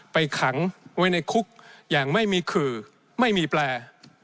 ขังไว้ในคุกอย่างไม่มีขื่อไม่มีแปล